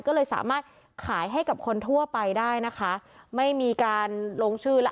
ก็เลยสามารถขายให้กับคนทั่วไปได้นะคะไม่มีการลงชื่อแล้ว